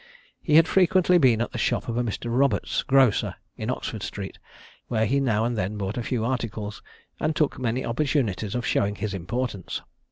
He had frequently been at the shop of a Mr. Roberts, grocer, in Oxford Street, where he now and then bought a few articles, and took many opportunities of showing his importance.